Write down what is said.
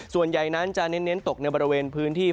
ส่วนใหญ่นั้นจะเน้นตกในบริเวณพื้นที่